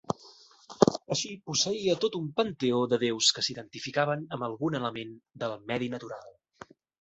Així, posseïa tot un panteó de déus que s'identificaven amb algun element del medi natural.